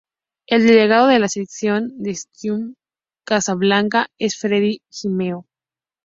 El delegado de la sección de Stadium Casablanca es Freddy Gimeno.